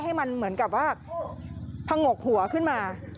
ให้มันเหมือนกับว่าผงกหัวขึ้นมา